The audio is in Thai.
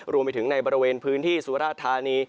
รวมไปถึงในบริเวณพื้นที่สุราธานี